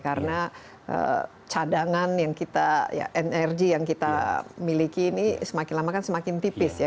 karena cadangan yang kita ya energi yang kita miliki ini semakin lama kan semakin tipis ya